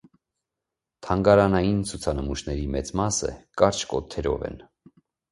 Թանգարանային ցուցանմուշների մեծ մասը կարճ կոթերով են։